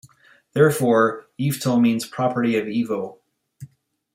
Therefore, Yvetot means 'property of Yvo'.